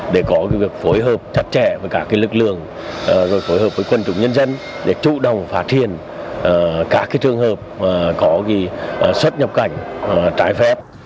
để có phối hợp chặt chẽ với các lực lượng phối hợp với quân chúng nhân dân để chủ động phát hiện các trường hợp có xuất nhập cảnh trái phép